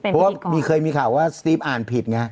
เพราะเคยมีข่าวว่าสติปอ่านผิดแงฮะ